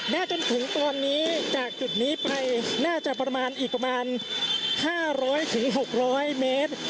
จนถึงตอนนี้จากจุดนี้ไปน่าจะประมาณอีกประมาณ๕๐๐๖๐๐เมตร